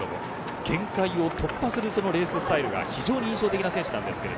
限界を突破するレーススタイルが印象的な選手です。